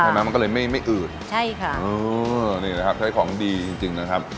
มันก็เลยไม่ไม่อืดใช่ค่ะเออนี่นะครับใช้ของดีจริงจริงนะครับ